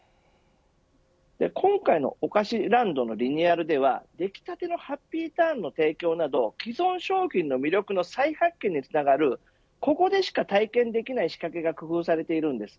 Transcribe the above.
今回のおかしランドのリニューアルでは出来たてのハッピーターンの提供など既存商品の魅力の再発見につながるここでしか体験できない仕掛けが工夫されています。